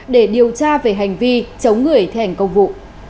để điều tra về hành vi chống người thi hành công vụ